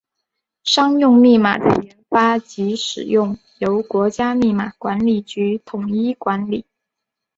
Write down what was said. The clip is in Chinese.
商用密码的研发及使用由国家密码管理局统一管理。